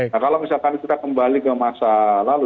nah kalau misalkan kita kembali ke masa lalu